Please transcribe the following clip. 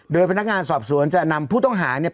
โดยพนักงานสอบสวนจะนำผู้ต้องหาเนี่ย